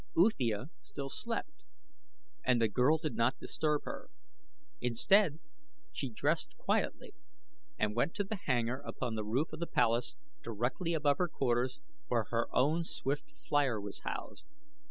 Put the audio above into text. Uthia still slept and the girl did not disturb her. Instead, she dressed quietly and went to the hangar upon the roof of the palace directly above her quarters where her own swift flier was housed.